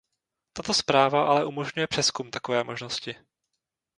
Tato zpráva ale umožňuje přezkum takové možnosti.